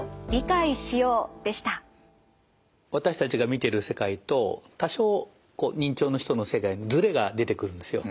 私たちが見てる世界と多少認知症の人の世界ズレが出てくるんですよ。